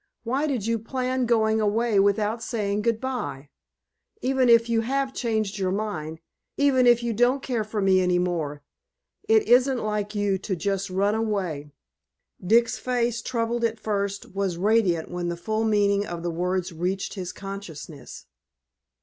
Why did you plan going away without saying good bye? Even if you have changed your mind, even if you don't care for me any more, it isn't like you to just run away." Dick's face, troubled at first, was radiant when the full meaning of the words reached his consciousness.